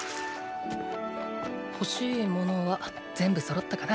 欲しいものは全部そろったかな。